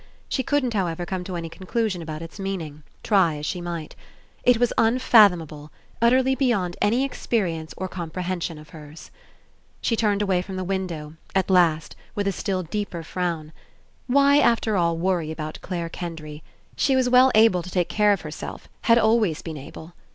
She couldn't, however, come to any conclusion about Its meaning, try as she might. It was un fathomable, utterly beyond any experience or comprehension of hers. 79 PASSING She turned away from the window, at last, with a still deeper frown. Why, after all, worry about Clare Kendry? She was well able to take care of herself, had always been able.